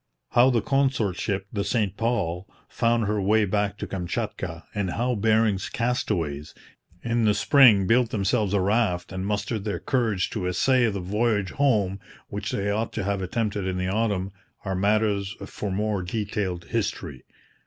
How the consort ship, the St Paul, found her way back to Kamchatka, and how Bering's castaways in the spring built themselves a raft and mustered their courage to essay the voyage home which they ought to have attempted in the autumn, are matters for more detailed history.